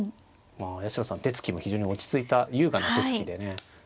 まあ八代さん手つきも非常に落ち着いた優雅な手つきでね。